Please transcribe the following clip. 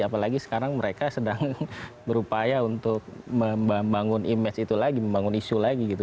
apalagi sekarang mereka sedang berupaya untuk membangun image itu lagi membangun isu lagi gitu